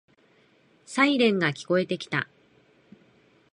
サイレンが聞こえてきた。